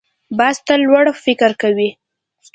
باز تل لوړ فکر کوي